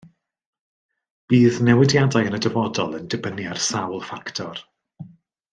Bydd newidiadau yn y dyfodol yn dibynnu ar sawl ffactor